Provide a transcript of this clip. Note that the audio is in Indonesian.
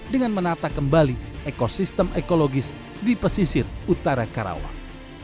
dengan menata kembali ekosistem ekologis di pesisir utara karawang